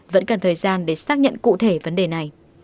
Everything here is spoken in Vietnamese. vẫn cần thời gian để xác nhận cụ thể vấn đề này